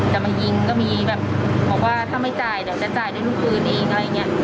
จะมายิงก็มีแบบบอกว่าถ้าไม่จ่ายเดี๋ยวจะจ่ายด้วยลูกปืนเองอะไรอย่างนี้